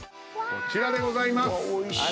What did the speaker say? こちらでございます。